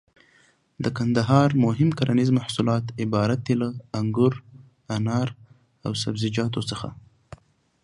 د کندهار مهم کرنيز محصولات عبارت دي له: انګور، انار او سبزيجاتو څخه.